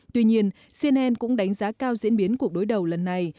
tuy nhiên cnn cũng đánh giá cao diễn biến cuộc đối đầu lần này